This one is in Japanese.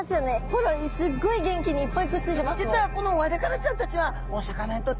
ほらすっごい元気にいっぱいくっついてますもん。